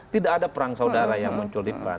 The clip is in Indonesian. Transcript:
tidak ada perang saudara yang muncul